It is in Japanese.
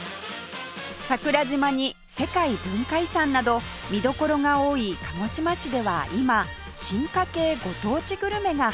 桜島に世界文化遺産など見どころが多い鹿児島市では今進化系ご当地グルメが花盛り